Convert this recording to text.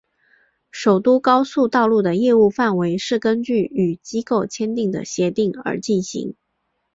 首都高速道路的业务范围是根据与机构签订的协定而进行。